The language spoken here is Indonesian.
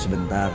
aku ingin pergi